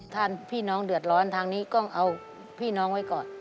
ถ้าพี่น้องเดือดร้อนทางนี้ต้องเอาพี่น้องไว้ก่อน